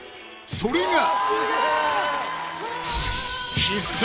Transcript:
［それが］